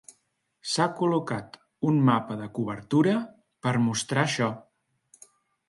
S'ha col·locat un mapa de cobertura per a mostrar això.